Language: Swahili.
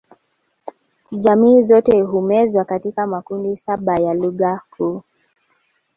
Jamii zote humezwa katika makundi saba ya lugha kuu